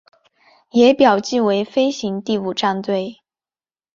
也表记为飞行第五战队。